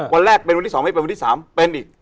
วันแรกเป็นวันที่๒ไม่เป็นวันที่๓เป็นอีก